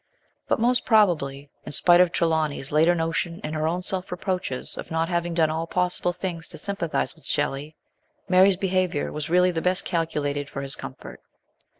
But most probably, in spite of Trelawny's later notion and her own self reproaches of not having done all possible things to sympathise with Shelley, Mary's behaviour was really the best calculated for his comfort.